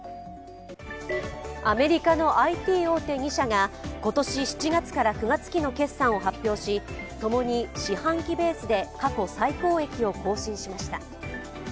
アメリカのＩＴ大手２社が今年７月から９月期の決算を発表し、ともに四半期ベースで過去最高益を更新しました。